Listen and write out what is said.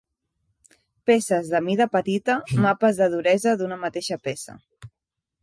Peces de mida petita, mapes de duresa d'una mateixa peça.